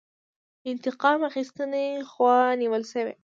انتقام اخیستنې خوا نیولی شي.